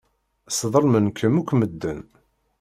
Sḍelmen-kem akk medden.